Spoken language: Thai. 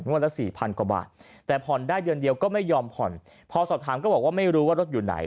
ละสี่พันกว่าบาทแต่ผ่อนได้เดือนเดียวก็ไม่ยอมผ่อนพอสอบถามก็บอกว่าไม่รู้ว่ารถอยู่ไหน